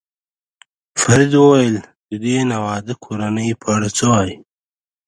فرید وویل: د دې ناواده کورنۍ په اړه څه وایې؟